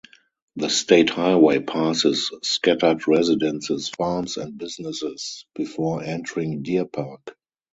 The state highway passes scattered residences, farms, and businesses before entering Deer Park.